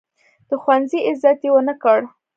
د ښوونځي عزت یې ونه کړ.